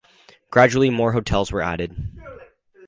Gradually more hotels were added.